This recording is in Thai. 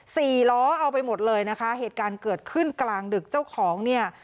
สี่ล้อเอาไปหมดเลยนะคะเหตุการณ์เกิดขึ้นกลางดึกเจ้าของเนี่ย